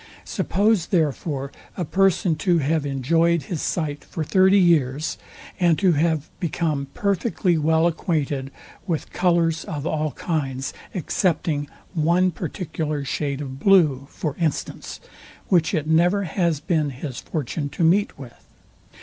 Suppose therefore a person to have enjoyed his sight for thirty years, and to have become perfectly well acquainted with colours of all kinds, excepting one particular shade of blue, for instance, which it never has been his fortune to meet with.